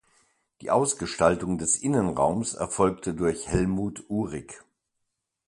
Die Ausgestaltung des Innenraums erfolgte durch Helmuth Uhrig.